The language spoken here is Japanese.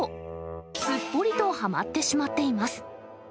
すっぽりとはまってしまっています。